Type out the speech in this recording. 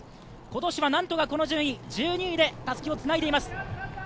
今年は何とかこの順位、１２位でたすきをつないでいます。